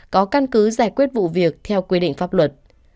có căn cứ giải quyết vụ việc theo quy định pháp luật